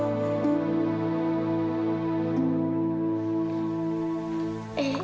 orang pun begitu